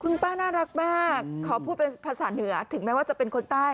คุณป้าน่ารักมากขอพูดเป็นภาษาเหนือถึงแม้ว่าจะเป็นคนใต้